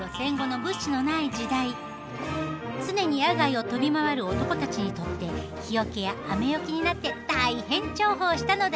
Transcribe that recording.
常に野外を飛び回る男たちにとって日よけや雨よけになって大変重宝したのであります。